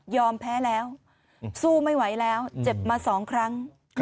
ยอมแพ้แล้วสู้ไม่ไหวแล้วเจ็บมาสองครั้งครับ